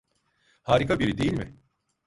Harika biri, değil mi?